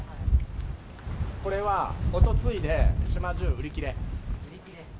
これは、おとついで島じゅう売り切れ。